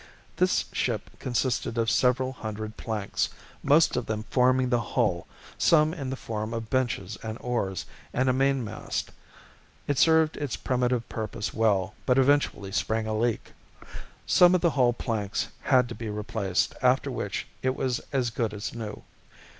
"This ship consisted of several hundred planks, most of them forming the hull, some in the form of benches and oars and a mainmast. It served its primitive purpose well but eventually sprang a leak. Some of the hull planks had to be replaced after which it was as good as new.